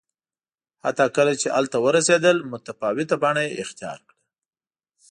حتی کله چې هلته ورسېدل متفاوته بڼه یې اختیار کړه